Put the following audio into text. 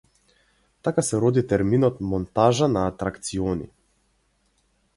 Така се роди терминот монтажа на атракциони.